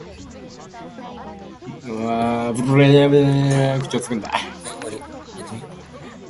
「私は彼の細君のことも知っています」と、Ｋ は少し当てずっぽうにいってみた。「それはありうることです」と、村長はいって、口をつぐんだ。